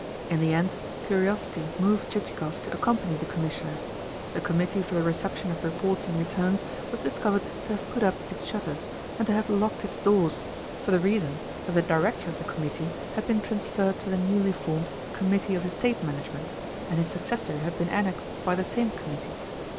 In the end, curiosity moved Chichikov to accompany the Commissioner. The Committee for the Reception of Reports and Returns was discovered to have put up its shutters, and to have locked its doors, for the reason that the Director of the Committee had been transferred to the newly formed Committee of Estate Management, and his successor had been annexed by the same Committee.